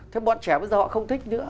thế bọn trẻ bây giờ họ không thích nữa